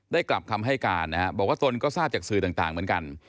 กลับคำให้การนะฮะบอกว่าตนก็ทราบจากสื่อต่างเหมือนกัน